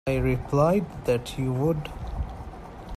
I replied that you would.